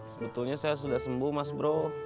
sebetulnya saya sudah sembuh mas bro